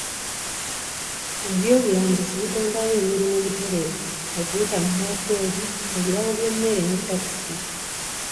Eby'obulambuzi bitondawo emirimu butereevu okuyita mu woteeri, ebirabo by'emmere ne takisi.